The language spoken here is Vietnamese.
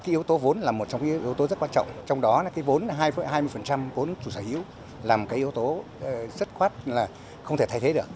yếu tố vốn là một trong những yếu tố rất quan trọng trong đó hai mươi vốn chủ sở hữu là một yếu tố rất khoát không thể thay thế được